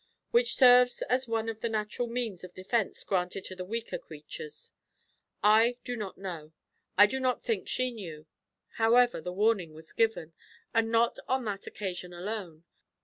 which serves as one of the natural means of defence granted to the weaker creatures. I do not know; I do not think she knew; however, the warning was given, and not on that occasion alone.